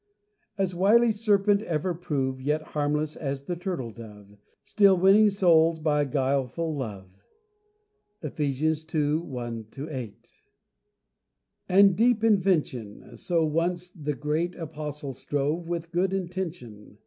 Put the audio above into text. As wily serpent ever prove, Yet harmless as the turtle dove, Still winning souls by guileful love And deep invention So once the great Apostle strove With good intention.